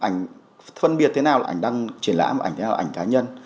phân biệt thế nào là ảnh đăng triển lãm ảnh thế nào là ảnh cá nhân